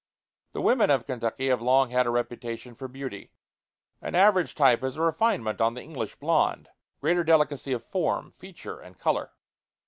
The women of Kentucky have long had reputation for beauty. An average type is a refinement on the English blonde greater delicacy of form, feature, and color.